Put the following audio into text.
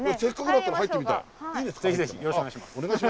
よろしくお願いします。